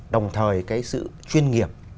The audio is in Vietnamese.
đồng thời cái sự chuyên nghiệp